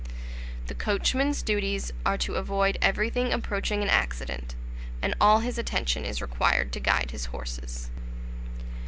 The coachman's duties are to avoid everything approaching an accident, and all his attention is required to guide his horses.